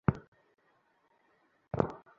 সম্প্রতি এক অফিস আদেশে সিটিটিসিকে এ ক্ষমতা দেওয়া হয়।